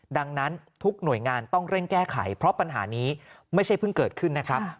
ดังนั้นทุกหน่วยงานต้องเร่งแก้ไขเพราะปัญหานี้ไม่ใช่เพิ่งเกิดขึ้นนะครับ